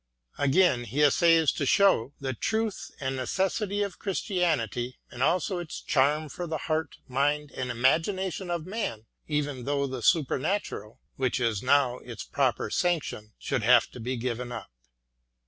Again he essays to show " the truth and neces sity of Christianity, and also its charm for the heart, mind, and imagination of man, even though the supernatural, which is now its popular sanction, should have to be given up."